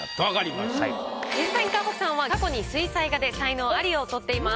水谷果穂さんは過去に水彩画で才能アリを獲っています。